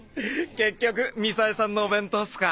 結局みさえさんのお弁当っすか。